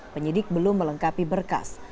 penyidik belum melengkapi berkas